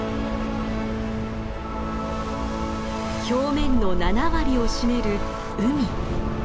表面の７割を占める海。